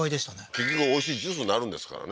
結局おいしいジュースになるんですからね